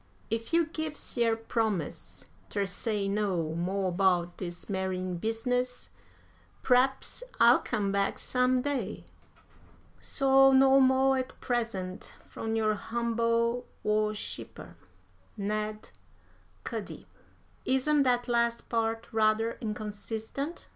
If you gives yer promise ter say no mo' 'bout dis marryin' business, p'r'aps I'll come back some day. So no mo' at present, from your humble worshipper, "NED CUDDY." "Isn't that last part rather inconsistent?"